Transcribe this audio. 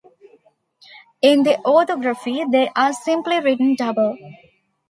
In the orthography, they are simply written double.